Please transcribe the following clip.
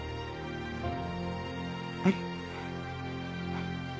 あれ？